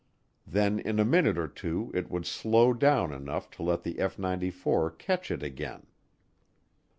Then in a minute or two it would slow down enough to let the F 94 catch it again.